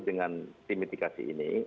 dengan tim mitigasi ini